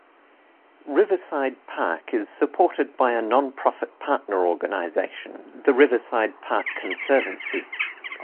Riverside Park is supported by a nonprofit partner organization, the Riverside Park Conservancy.